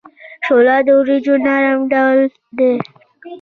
شوله د وریجو نرم ډول دی.